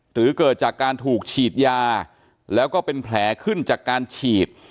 หรือเกิดจากการถูกฉีดยาแล้วก็เป็นแผลขึ้นจากการฉีด